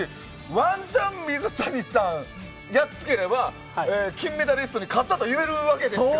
ワンチャン水谷さんをやっつければ金メダリストに勝ったといえるわけですから。